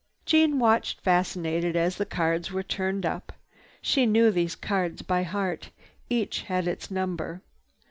Jeanne watched fascinated as the cards were turned up. She knew those cards by heart. Each had its number.